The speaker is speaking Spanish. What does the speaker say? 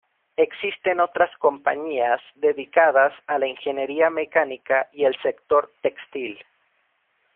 Existen otras compañías dedicadas a la ingeniería mecánica y el sector textil.